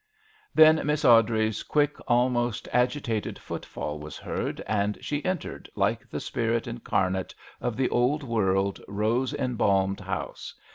Then Miss Awdrey's quick, almost agitated, footfall was heard, and she entered like the spirit incar nate of the old world, rose em balmed house.